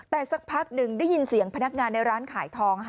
แต่สักพักหนึ่งได้ยินเสียงพนักงานในร้านขายทอง